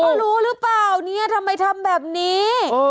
เขารู้หรือเปล่าเนี่ยทำไมทำแบบนี้